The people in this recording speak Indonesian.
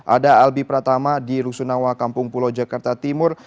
ada albi pratama di rusunawa kampung pulau jakarta timur